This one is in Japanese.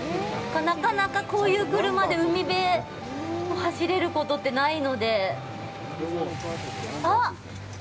なかなか、こういう車で海辺を走れることってないので。